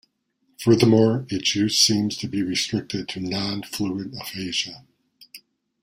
Furthermore, its use seems to be restricted to non-fluent aphasia.